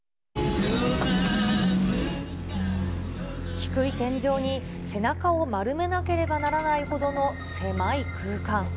低い天井に背中を丸めなければならないほどの狭い空間。